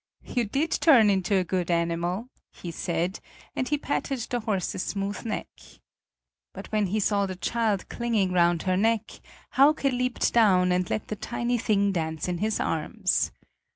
"You did turn into a good animal!" he said, and then patted the horse's smooth neck. But when he saw the child clinging round her neck, Hauke leaped down and let the tiny thing dance in his arms.